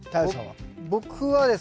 僕はですね